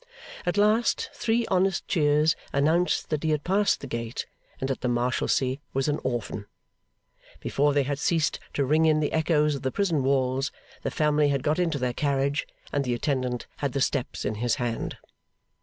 At last three honest cheers announced that he had passed the gate, and that the Marshalsea was an orphan. Before they had ceased to ring in the echoes of the prison walls, the family had got into their carriage, and the attendant had the steps in his hand.